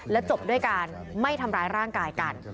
จบด้วยการไม่ทำร้ายร่างกายกัน